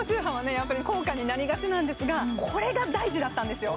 やっぱり高価になりがちなんですがこれが大事だったんですよ